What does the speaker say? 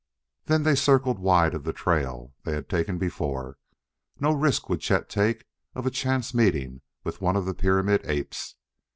Then they circled wide of the trail they had taken before; no risk would Chet take of a chance meeting with one of the pyramid apes.